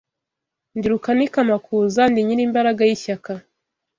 Ndi Rukanika amakuza, ndi Nyilimbaraga y'ishyaka